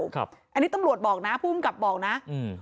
ครับอันนี้ตำลวดบอกนะผู้บุญกับบอกนะอืม